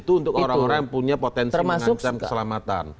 itu untuk orang orang yang punya potensi mengancam keselamatan